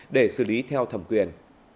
để xử lý theo thẩm quyền